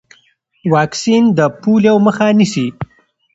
واکسین د پولیو مخه نیسي۔